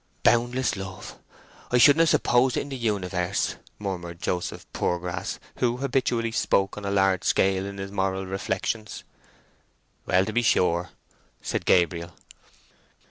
"Boundless love; I shouldn't have supposed it in the universe!" murmured Joseph Poorgrass, who habitually spoke on a large scale in his moral reflections. "Well, to be sure," said Gabriel.